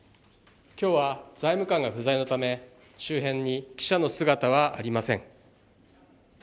今日は財務官が不在のため、周辺に記者の姿はありません。